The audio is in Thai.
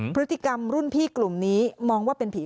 พฤติกรรมรุ่นพี่กลุ่มนี้มองว่าเป็นผี